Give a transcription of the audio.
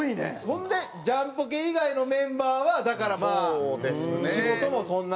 ほんでジャンポケ以外のメンバーはだからまあ仕事もそんなないし。